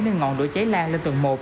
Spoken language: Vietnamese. nên ngọn đổ cháy lan lên tầng một